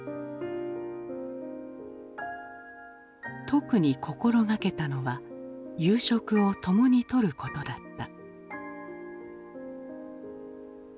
特に心がけたのは夕食を共にとることだった。